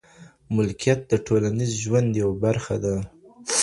ملکیت د ټولنیز ژوند یوه برخه ده.